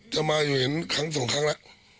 จะมาอยู่เห็นครั้งสองครั้งแล้ว